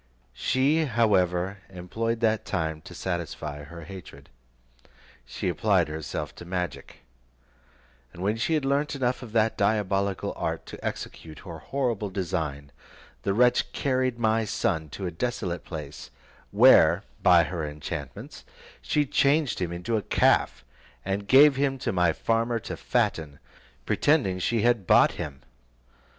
She however employed that time to satisfy her hatred. She applied herself to magic, and when she had learnt enough of that diabolical art to execute her horrible design, the wretch carried my son to a desolate place, where, by her enchantments, she changed him into a calf, and gave him to my farmer to fatten, pretending she had bought him.